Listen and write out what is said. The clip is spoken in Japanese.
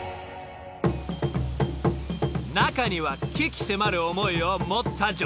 ［中には鬼気迫る思いを持った女性も］